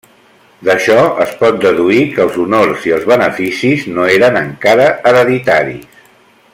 D'això es pot deduir que els honors i els beneficis no eren encara hereditaris.